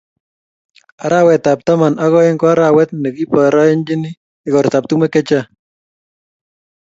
arawetab taman ak aeng ko arawet nekibaorienjin ikortab tumwek chechang